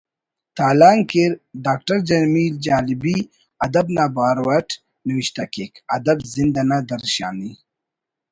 تالان کیر ڈاکٹر جمیل جالبی ادب نا بارو اٹ نوشتہ کیک ”ادب زند انا درشانی